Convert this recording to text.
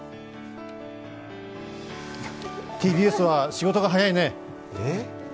ＴＢＳは仕事が早いね。